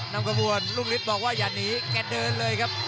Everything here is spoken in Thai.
นำกระบวนลูกฤทธิ์บอกว่าอย่าหนีแกเดินเลยครับ